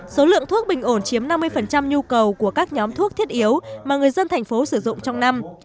số lượng thuốc bình ổn chiếm năm mươi nhu cầu của các nhóm thuốc thiết yếu mà người dân thành phố sử dụng trong năm